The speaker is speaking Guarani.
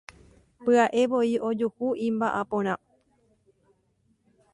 Pya'evoi ojuhu imba'aporã.